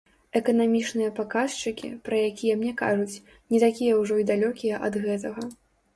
Эканамічныя паказчыкі, пра якія мне кажуць, не такія ўжо і далёкія ад гэтага.